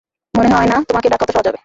মনে হয় না তোমাকে ডাকা অত সহজ হবে।